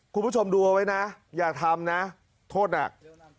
คุณผู้ชมดูเอาไว้นะอย่าทำนะโทษหนัก